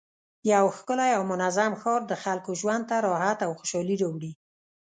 یو ښکلی او منظم ښار د خلکو ژوند ته راحت او خوشحالي راوړي